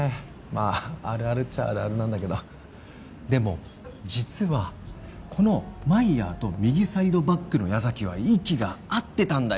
まああるあるっちゃあるあるなんだけどでも実はこのマイヤーと右サイドバックの矢崎は息が合ってたんだよ